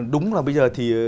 đúng là bây giờ thì